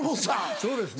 そうですね。